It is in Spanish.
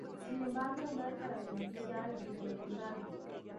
Sin embargo, una declaración oficial dijo lo contrario.